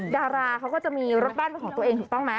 ดาราเขาก็จะมีรถบ้านเป็นของตัวเองถูกต้องไหม